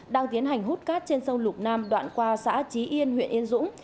đang tiến hành hút cát trên sông lục nam đoạn qua xã trí yên huyện yên dũng